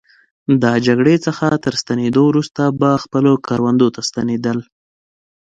د جګړې څخه تر ستنېدو وروسته به خپلو کروندو ته ستنېدل.